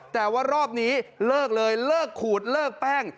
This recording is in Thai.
แต่ว่ารอบนี้เลิกเลยเลิกขูดเลิกแป้ง